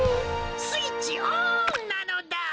スイッチオンなのだ！